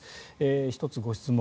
１つ、ご質問。